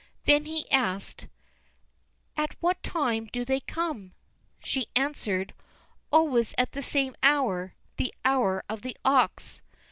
Then he asked: "At what time do they come?" She answered, "Always at the same hour—the 'hour of the ox.